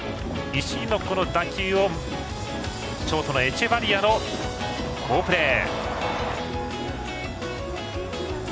石井の打球をショートのエチェバリアが好プレー。